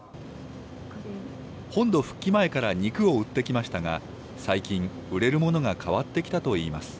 本土復帰前から肉を売ってきましたが、最近、売れるものが変わってきたといいます。